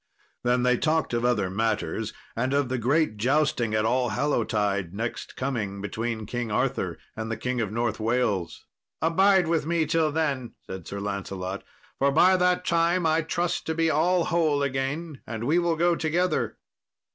Then they talked of other matters, and of the great jousting at Allhallowtide next coming, between King Arthur and the King of North Wales. "Abide with me till then," said Sir Lancelot, "for by that time I trust to be all whole again, and we will go together."